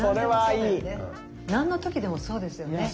何の時でもそうですよね。